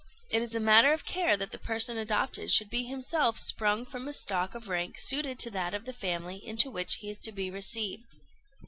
It is a matter of care that the person adopted should be himself sprung from a stock of rank suited to that of the family into which he is to be received.